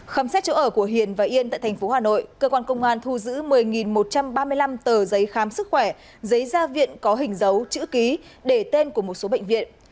khám xét chỗ ở của hiền và yên tại tp hà nội cơ quan công an thu giữ một mươi một trăm ba mươi năm tờ giấy khám sức khỏe giấy gia viện có hình dấu chữ ký để tên của một số bệnh viện